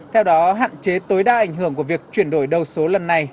theo đó hạn chế tối đa ảnh hưởng của việc chuyển đổi đầu số lần này